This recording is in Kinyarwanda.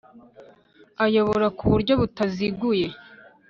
Ayobora ku buryo butaziguye